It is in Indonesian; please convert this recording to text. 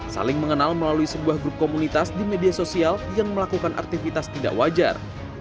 saling mengenal melalui sebuah grup komunitas di media sosial yang melakukan aktivitas tidak wajar